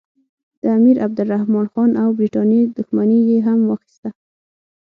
د امیرعبدالرحمن خان او برټانیې دښمني یې هم واخیسته.